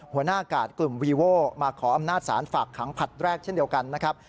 หัวหน้ากาดกลุ่มวีโว้มาขออำนาจศาลฝากขังผลัดแรกเช่นเดียวกันนะครับ